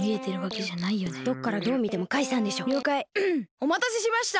おまたせしました。